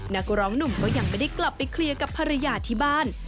นักร้องหนุ่มก็ยังไม่ได้กลับไปเคลียร์กับภรรยาที่บ้าน